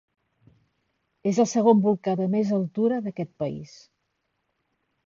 És el segon volcà de més altura d'aquest país.